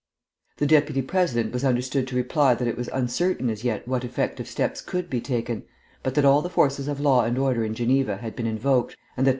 The Deputy President was understood to reply that it was uncertain as yet what effective steps could be taken, but that all the forces of law and order in Geneva had been invoked, and that MM.